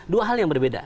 dua hal yang berbeda